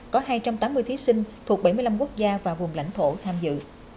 có hai trăm tám mươi thí sinh thuộc bảy mươi năm quốc gia và vùng lãnh thổ tham dự